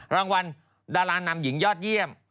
รางวัลดารานำหญิงยอดเยี่ยม